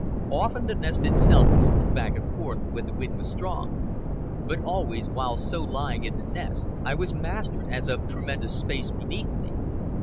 Often the nest itself moved back and forth when the wind was strong. But always, while so lying in the nest, I was mastered as of tremendous space beneath me.